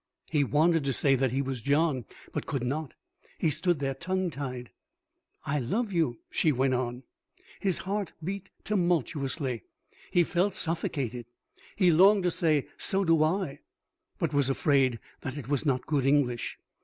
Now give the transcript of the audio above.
He wanted to say that he was John, but could not. He stood there tongue tied. "I love you," she went on. His heart beat tumultuously. He felt suffocated. He longed to say, "So do I," but was afraid that it was not good English.